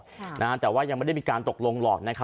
จนไม่ได้มีที่การตกลงหรอก